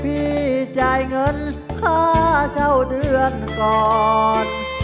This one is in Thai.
พี่จ่ายเงินค่าเช่าเดือนก่อน